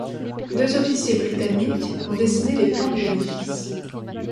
Deux officiers britanniques ont dessiné les plans de l'édifice.